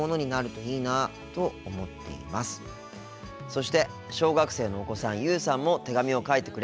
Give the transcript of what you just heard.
そして小学生のお子さん優羽さんも手紙を書いてくれました。